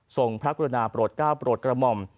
ทรงพระคุณาโปรดเก้าโปรดกระม่อม